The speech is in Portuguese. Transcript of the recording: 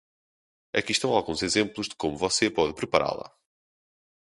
Aqui estão alguns exemplos de como você pode prepará-la: